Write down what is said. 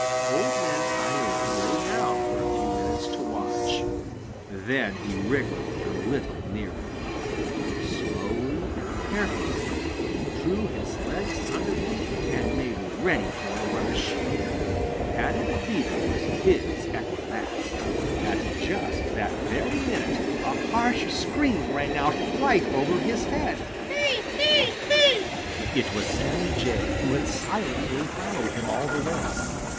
Old Man Coyote lay down for a few minutes to watch. Then he wriggled a little nearer. Slowly and carefully he drew his legs under him and made ready for a rush. Paddy the Beaver was his at last! At just that very minute a harsh scream rang out right over his head "Thief! thief! thief!" It was Sammy Jay, who had silently followed him all the way.